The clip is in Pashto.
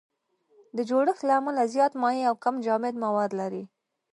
د جوړښت له امله زیات مایع او کم جامد مواد لري.